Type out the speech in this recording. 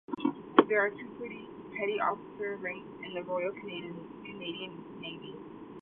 There are two petty officer ranks in the Royal Canadian Navy.